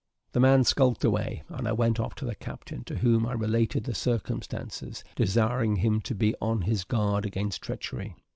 The man skulked away, and I went off to the captain, to whom I related the circumstance, desiring him to be on his guard against treachery.